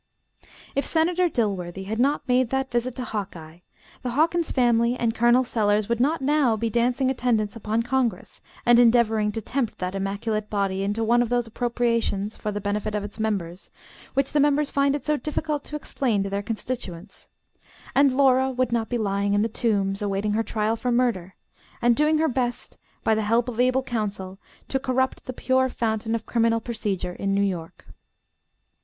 If Senator Dilworthy had not made that visit to Hawkeye, the Hawkins family and Col. Sellers would not now be dancing attendance upon Congress, and endeavoring to tempt that immaculate body into one of those appropriations, for the benefit of its members, which the members find it so difficult to explain to their constituents; and Laura would not be lying in the Tombs, awaiting her trial for murder, and doing her best, by the help of able counsel, to corrupt the pure fountain of criminal procedure in New York.